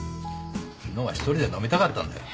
昨日は一人で飲みたかったんだよ。